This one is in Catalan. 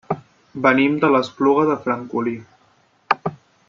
Venim de l'Espluga de Francolí.